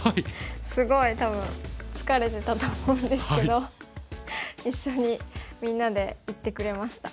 すごい多分疲れてたと思うんですけど一緒にみんなで行ってくれました。